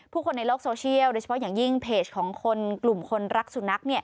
คนในโลกโซเชียลโดยเฉพาะอย่างยิ่งเพจของคนกลุ่มคนรักสุนัข